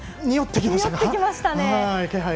におってきましたか。